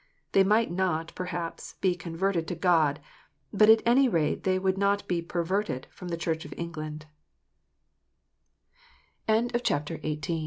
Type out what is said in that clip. They might not, perhaps be "converted" to God, but at any rate they would not be " perverted " from the Church of Englan